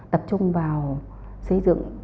tập trung vào xây dựng